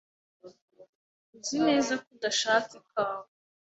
Uzi neza ko udashaka ikawa?